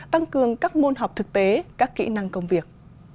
tăng cường các môn học thực tế các kỹ năng công việc